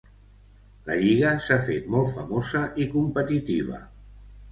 La lliga s'ha fet molt famosa i competitiva.